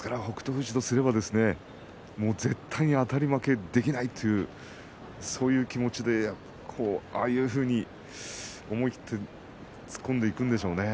富士としても絶対にあたり負けできないというそういう気持ちで思い切って突っ込んでいくんでしょうね。